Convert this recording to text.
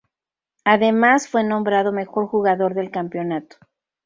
Además fue nombrado mejor jugador del campeonato.